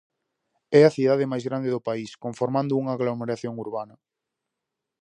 É a cidade máis grande do país conformando unha aglomeración urbana.